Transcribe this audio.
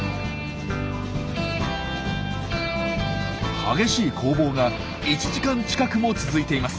激しい攻防が１時間近くも続いています。